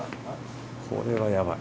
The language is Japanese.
これはやばい。